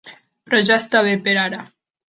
Però ja està bé per ara.